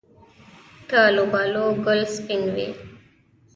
د الوبالو ګل سپین وي؟